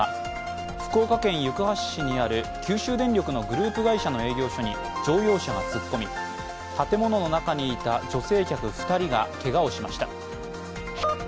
福岡県行橋市にある九州電力のグループ会社の営業所に乗用車が突っ込み、建物の中にいた女性客２人がけがをしました。